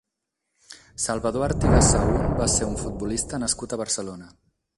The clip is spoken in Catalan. Salvador Artigas Sahún va ser un futbolista nascut a Barcelona.